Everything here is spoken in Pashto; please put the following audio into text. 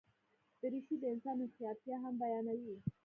دریشي د انسان هوښیارتیا هم بیانوي.